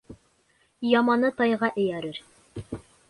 Яманы тайға эйәрер.